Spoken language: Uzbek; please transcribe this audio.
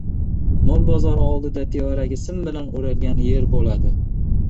Mol bozori oldida tevaragi sim bilan o‘ralgan yer bo‘ladi.